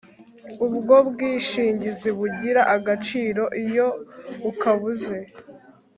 Ubwo bwishingizi bugira agaciro iyo ukabuze